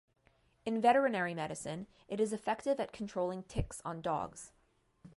In veterinary medicine, it is effective at controlling ticks on dogs.